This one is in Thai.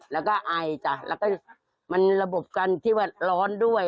แล้วก็ไอจ้ะแล้วก็มันระบบกันที่ว่าร้อนด้วย